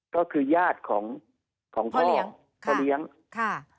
ก็คือญาติของพ่อพ่อเลี้ยงค่ะ